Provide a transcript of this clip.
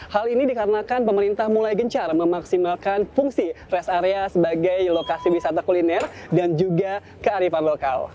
hal ini dikarenakan pemerintah mulai gencar memaksimalkan fungsi rest area sebagai lokasi wisata kuliner dan juga kearifan lokal